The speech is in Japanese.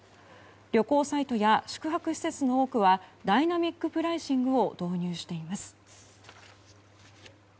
旅行サイトや宿泊施設の多くはダイナミックプライシングを導入しています。